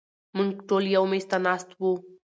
مونږ ټول يو مېز ته ناست وو